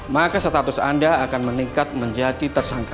maka status anda akan meningkat menjadi tersangka